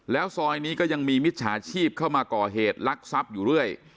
แล้วซอยนี้ก็ยังมีมิจฉาชีพเข้ามาก่อเหตุลักษัพอยู่เรื่อย